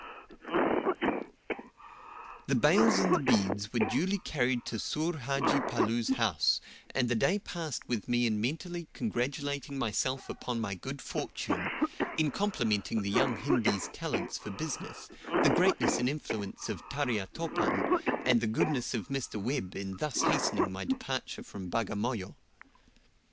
The bales and the beads were duly carried to Soor Hadji Palloo's house, and the day passed with me in mentally congratulating myself upon my good fortune, in complimenting the young Hindi's talents for business, the greatness and influence of Tarya Topan, and the goodness of Mr. Webb in thus hastening my departure from Bagamoyo.